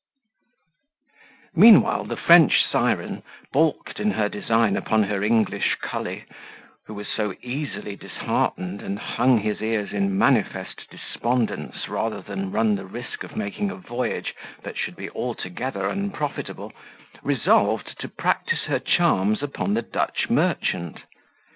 Meanwhile the French siren, balked in her design upon her English cully, who was so easily disheartened, and hung his ears in manifest despondence, rather than run the risk of making a voyage that should be altogether unprofitable, resolved to practise her charms upon the Dutch merchant.